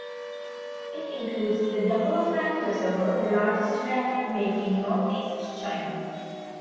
It includes the Dahuofang Reservoir, the largest man-made lake in northeast China.